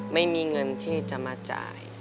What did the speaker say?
ไม่มีเงินที่จะมาจ่าย